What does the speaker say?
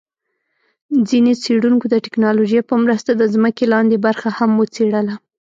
ځیني څېړونکو د ټیکنالوجۍ په مرسته د ځمکي لاندي برخه هم وڅېړله